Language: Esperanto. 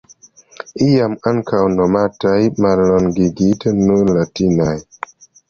Iam ankaŭ nomataj mallongigite nur "latinaj".